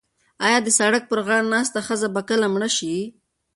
ایا د سړک پر غاړه ناسته ښځه به کله مړه شي؟